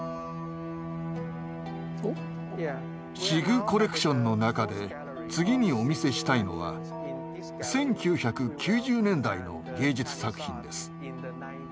シグコレクションの中で次にお見せしたいのは１９９０年代の芸術作品です。